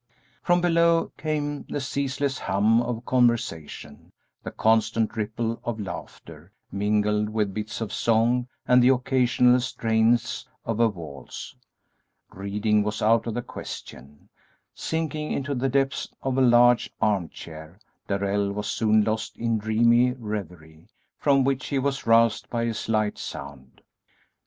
From below came the ceaseless hum of conversation, the constant ripple of laughter, mingled with bits of song, and the occasional strains of a waltz. Reading was out of the question. Sinking into the depths of a large arm chair, Darrell was soon lost in dreamy reverie, from which he was roused by a slight sound.